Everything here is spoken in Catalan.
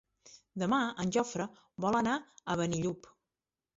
Demà en Jofre vol anar a Benillup.